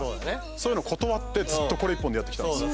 そういうの断ってずっとこれ一本でやってきたんですよ